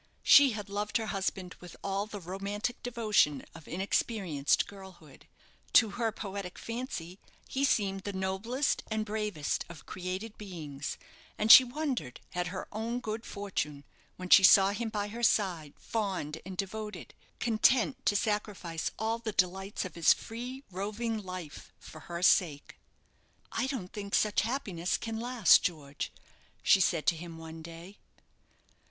She had loved her husband with all the romantic devotion of inexperienced girlhood. To her poetic fancy he seemed the noblest and bravest of created beings; and she wondered at her own good fortune when she saw him by her side, fond and devoted, consent to sacrifice all the delights of his free, roving life for her sake. "I don't think such happiness can last, George," she said to him one day.